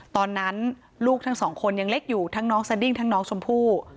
ตอนนั้นลูกทั้งสองคนยังเล็กอยู่ทั้งน้องสดิ้งทั้งน้องชมพู่